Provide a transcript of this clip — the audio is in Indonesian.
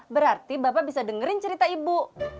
berarti bapak bisa dengerin cerita ibu